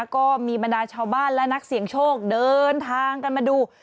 ก็มีบรรดาชาวบ้านและนักเสี่ยงโชคเดินทางกันมาดู